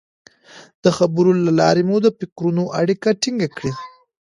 د خبرو له لارې مو د فکرونو اړیکه ټینګه کړه.